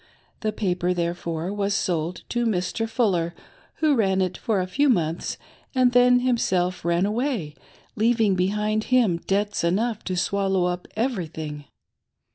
The paper, therefore, was sold to Mr. Fuller, who ran it for a few months and then himself ran away, leaving behind him debts enough to swallow up every thing.